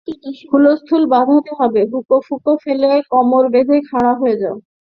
হুলস্থুল বাঁধাতে হবে, হুঁকো ফুঁকো ফেলে কোমর বেঁধে খাড়া হয়ে যাও।